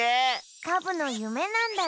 カブのゆめなんだね。